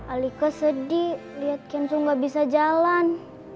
alika sedih liat kenzo gak bisa jalan